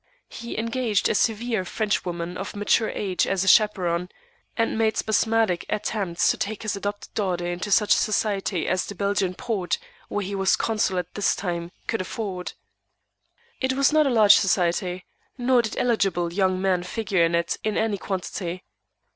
He engaged a severe Frenchwoman of mature age as chaperon, and made spasmodic attempts to take his adopted daughter into such society as the Belgian port, where he was consul at this time, could afford. It was not a large society; nor did eligible young men figure in it in any quantity.